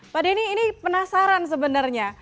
pak denny ini penasaran sebenarnya